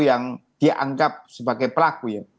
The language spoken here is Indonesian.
yang dianggap sebagai pelaku ya